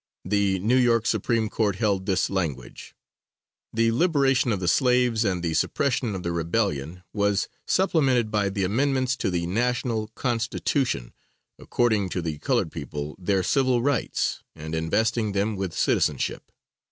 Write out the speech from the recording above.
The New York Supreme Court held this language: "The liberation of the slaves, and the suppression of the rebellion, was supplemented by the amendments to the national Constitution according to the colored people their civil rights and investing them with citizenship.